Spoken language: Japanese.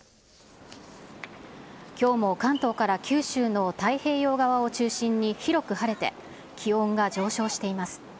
きょうも関東から九州の太平洋側を中心に広く晴れて、気温が上昇しています。